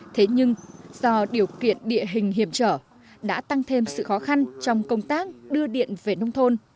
thế nhưng do điều kiện địa hình hiểm trở đã tăng thêm sự khó khăn trong công tác đưa điện về nông thôn